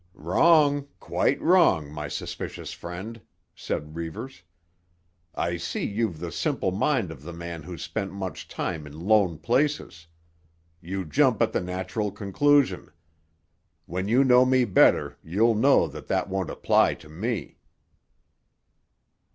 "Wrong, quite wrong, my suspicious friend," said Reivers. "I see you've the simple mind of the man who's spent much time in lone places. You jump at the natural conclusion. When you know me better you'll know that that won't apply to me."